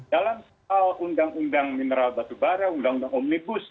dalam soal undang undang mineral batubara undang undang omnibus